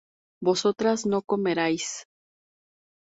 vosotras no comeríais